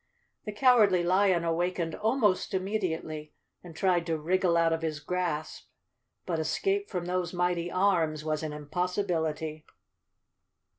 The Cowardly Lion awakened almost immedi¬ ately and tried to wriggle out of his grasp, but escape from those mighty arms was an impossibility.